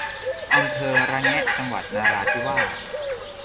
อำเภอระแงะ จังหวัดนราธิวาส